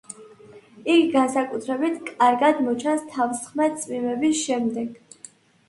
იგი განსაკუთრებით კარგად მოჩანს თავსხმა წვიმების შემდეგ.